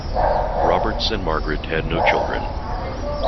Roberts and Margaret had no children.